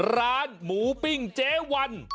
ร้านหมูปิ้งเจ๊วัน